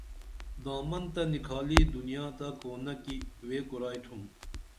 دامن تہ نکھالی دُنیا تہ کُونہ کی وے کُرائی تُھم